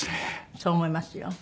そう思いますよ。